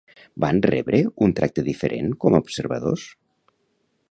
Van rebre un tracte diferent com a observadors?